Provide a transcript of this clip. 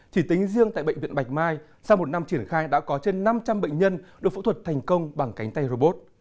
chỉ tính riêng tại bệnh viện bạch mai sau một năm triển khai đã có trên năm trăm linh bệnh nhân được phẫu thuật thành công bằng cánh tay robot